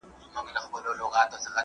دا بې سیمه هیډفونونه ډېر باکیفیته دي.